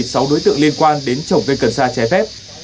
các đối tượng liên quan đến trồng cây cần xa trái phép